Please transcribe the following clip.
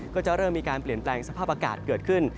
ก็จะเริ่มมีการเปลี่ยนแปลงสภาพอากาศเกิดขึ้น